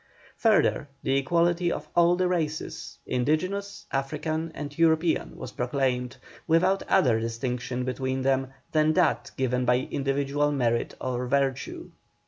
Further, the equality of all the races indigenous, African, and European was proclaimed, without other distinction between them than that given by individual merit or virtue.